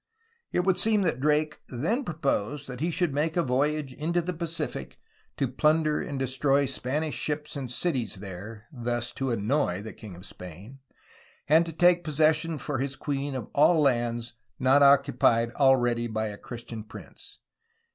It would seem that Drake then proposed that he should make a voyage into the Pacific to plunder and destroy Span ish ships and cities there (thus to ^^anoy" the king of Spain) and to take possession for his queen of all lands not occupied already by a Christian prince.